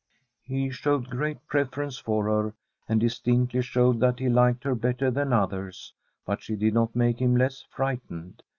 He showed great preference for her, and dis tinctly showed that he liked her better than others; but she did not make him less fright ened.